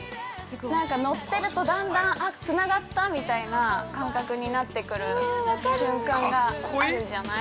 なんか乗ってると、だんだんあっ、つながったみたいな感覚になってくる瞬間があるじゃない？